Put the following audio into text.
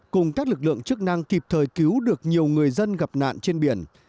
cùng các lực lượng chức năng kịp thời cứu được nhiều người dân gặp nạn trên biển